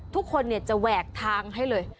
ทุกคนจะแหวกทางให้เลย